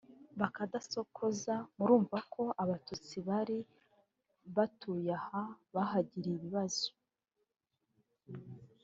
ba Kadasokoza murumva ko abatutsi bari batuye aha bahagiriye ibibazo